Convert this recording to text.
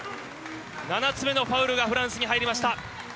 ７つ目のファウルがフランスに入りました。